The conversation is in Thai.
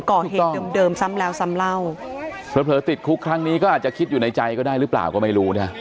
ก่อเหตุเดิมเดิมซ้ำแล้วซ้ำเล่าเผลอติดคุกครั้งนี้ก็อาจจะคิดอยู่ในใจก็ได้หรือเปล่าก็ไม่รู้นะ